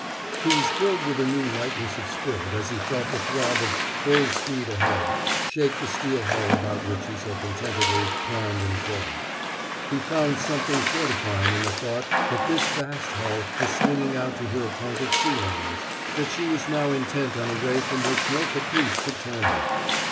He was filled with a new lightness of spirit as he felt the throb of "full speed ahead" shake the steel hull about which he so contentedly climbed and crawled. He found something fortifying in the thought that this vast hull was swinging out to her appointed sea lanes, that she was now intent on a way from which no caprice could turn her.